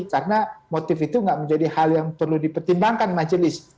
karena motif itu tidak menjadi hal yang perlu dipertimbangkan majelis